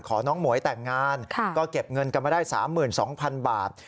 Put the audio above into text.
น้องหมวยแต่งงานก็เก็บเงินกันมาได้๓๒๐๐๐บาท